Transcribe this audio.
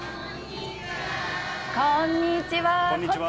こんにちは。